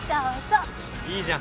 いいじゃん。